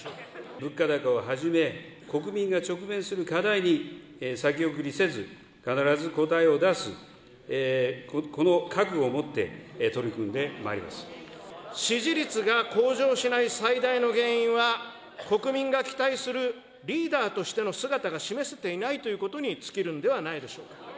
物価高をはじめ、国民が直面する課題に先送りせず、必ず答えを出す、この覚悟をもって取り組支持率が向上しない最大の原因は、国民が期待するリーダーとしての姿が示せていないということに尽きるんではないでしょうか。